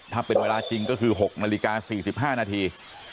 ถ้าเป็นเวลาจริงก็คือ๖นาฬิกา๔๕นาที